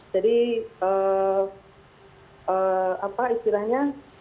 jadi apa istilahnya